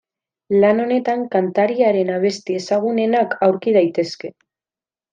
Lan honetan kantariaren abesti ezagunenak aurki daitezke.